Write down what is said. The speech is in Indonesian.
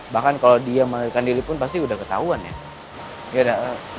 bahkan kalau dia melarikan diri pun pasti sudah ketahuan ya